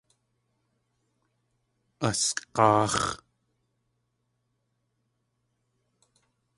Asg̲áax̲.